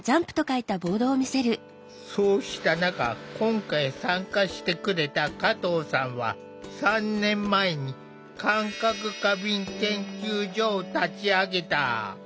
そうした中今回参加してくれた加藤さんは３年前に「感覚過敏研究所」を立ち上げた。